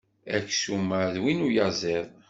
Aksum-a d win uyaẓiḍ.